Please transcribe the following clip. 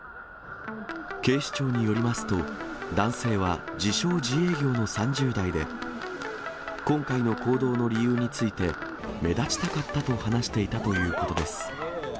警視庁によりますと、男性は自称自営業の３０代で、今回の行動の理由について、目立ちたかったと話していたということです。